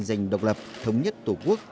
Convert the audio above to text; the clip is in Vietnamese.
dành độc lập thống nhất tổ quốc